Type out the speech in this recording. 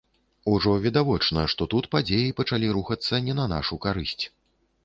Ужо відавочна, што тут падзеі пачалі рухацца не на нашу карысць.